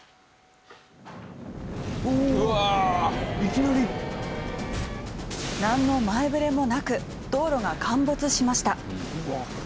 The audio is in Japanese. なんの前触れもなく道路が陥没しました。